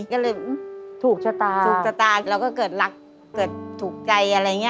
ก็เลยถูกชะตาถูกชะตาแล้วก็เกิดรักเกิดถูกใจอะไรอย่างนี้